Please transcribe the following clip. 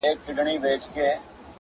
برخوردار اڅکزي پر کور وروستۍ ساه وکښل